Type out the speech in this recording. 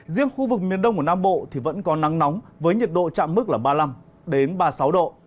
riêng khu vực miền đông của nam bộ thì vẫn có nắng nóng với nhiệt độ chạm mức là ba mươi năm ba mươi sáu độ